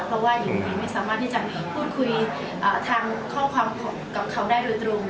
เพราะว่าหญิงไม่สามารถที่จะพูดคุยทางข้อความกับเขาได้โดยตรง